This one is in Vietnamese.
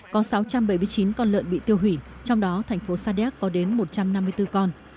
có sáu trăm bảy mươi chín con lợn bị tiêu hủy trong đó thành phố sa đéc có đến một trăm năm mươi bốn con